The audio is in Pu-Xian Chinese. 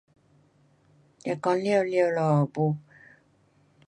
那将完了了，不。